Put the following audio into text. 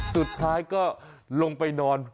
สุดท้ายก็ลงไปนอน